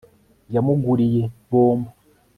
yamuguriye bombo